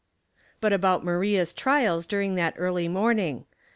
UT about Maria's trials during that eaily morning.